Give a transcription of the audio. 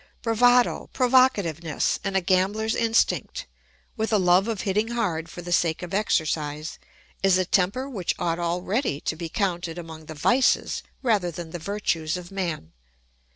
Bravado, provocativeness, and a gambler's instinct, with a love of hitting hard for the sake of exercise, is a temper which ought already to be counted among the vices rather than the virtues of man.